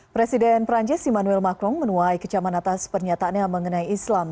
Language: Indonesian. presiden perancis emmanuel macron menuai kecaman atas pernyataannya mengenai islam